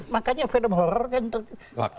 makanya film horor kan terlaku